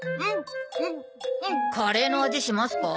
カレーの味しますか？